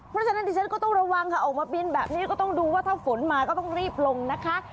เพราะฉะนั้นดิฉันก็ต้องระวังค่ะออกมาบินแบบนี้ก็ต้องดูว่าถ้าฝนมาก็ต้องรีบลงนะคะ